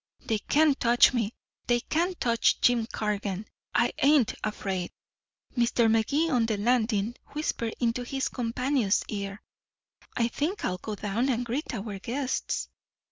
They can't touch me. They can't touch Jim Cargan. I ain't afraid." Mr. Magee, on the landing, whispered into his companion's ear. "I think I'll go down and greet our guests."